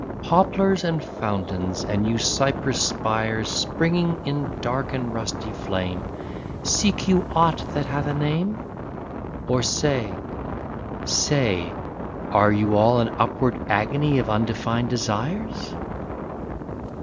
"Poplars and fountains and you cypress spires Springing in dark and rusty flame, Seek you aught that hath a name? Or say, say: Are you all an upward agony Of undefined desires?